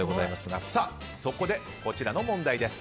そこで、こちらの問題です。